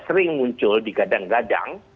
sering muncul di gadang gadang